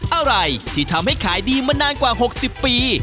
อะไรที่ทำให้ขายดีมานานกว่า๖๐ปี